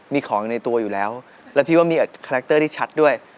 มีของอยู่ในตัวอยู่แล้วแล้วพี่ว่ามีคาแรคเตอร์ที่ชัดด้วย